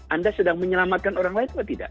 anda sedang menyelamatkan orang lain atau tidak